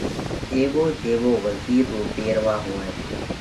ايوو جيوو وزِير رو پيروا هوئه۔